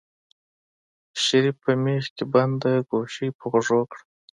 شريف په مېخ کې بنده ګوشي په غوږو کړه.